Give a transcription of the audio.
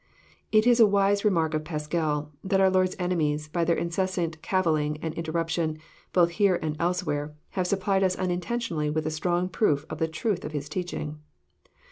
It is a wise remark of Pascal, that our Lord's enemies, by their incessant cavilling and interruption, both here and else where, have supplied us unintentionally with a strong proof of the truth of His teaching.